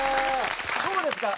どうですか？